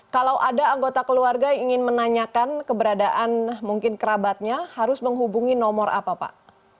kalau ada anggota keluarga yang ingin menanyakan keberadaan mungkin kerabatnya harus menghubungi nomor apa pak